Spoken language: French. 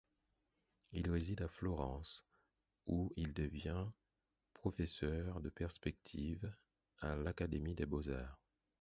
Il réside à Florence, où il devient professeur de perspective à l'académie des beaux-arts.